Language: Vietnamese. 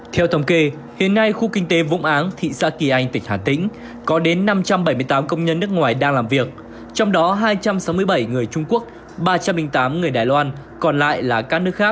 theo thống kê hiện nay khu kinh tế vũng áng thị xã kỳ anh tỉnh hà tĩnh có đến năm trăm bảy mươi tám công nhân nước ngoài đang làm việc trong đó hai trăm sáu mươi bảy người trung quốc ba trăm linh tám người đài loan còn lại là các nước khác